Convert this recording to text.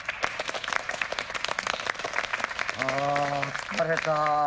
あ疲れた。